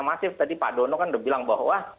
masif tadi pak dono kan udah bilang bahwa